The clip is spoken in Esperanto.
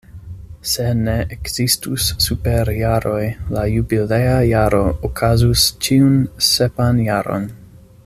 Se ne ekzistus superjaroj, la jubilea jaro okazus ĉiun sepan jaron.